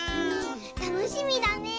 たのしみだねえ。